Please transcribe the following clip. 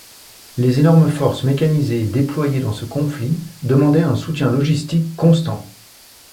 Les énormes forces mécanisées déployées dans ce conflit demandaient un soutien logistique constant.